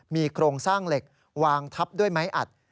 มีโครงสร้างเหล็กวางทับด้วยไม้อัด